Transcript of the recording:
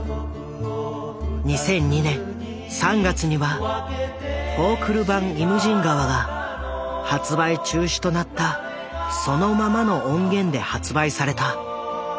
２００２年３月にはフォークル版「イムジン河」が発売中止となったそのままの音源で発売された。